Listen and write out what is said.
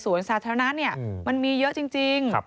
สาธารณะมันมีเยอะจริง